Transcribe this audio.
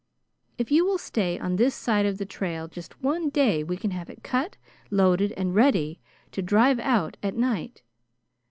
If you will stay on this side of the trail just one day we can have it cut, loaded, and ready to drive out at night.